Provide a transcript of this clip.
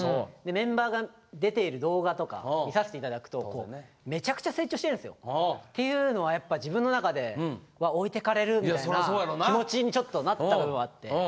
メンバーが出ている動画とか見させていただくとめちゃくちゃ成長してるんですよ。っていうのは自分の中で「うわ置いてかれる」みたいな気持ちにちょっとなった部分はあって。